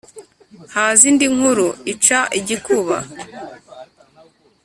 haza indi nkuru ica igikuba